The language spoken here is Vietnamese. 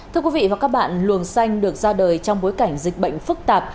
thưa quý vị và các bạn luồng xanh được ra đời trong bối cảnh dịch bệnh phức tạp